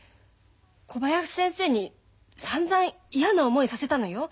小林先生にさんざん嫌な思いさせたのよ。